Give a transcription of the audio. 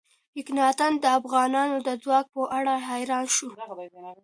مکناتن د افغانانو د ځواک په اړه حیران شو.